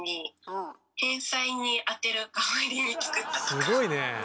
すごいねえ。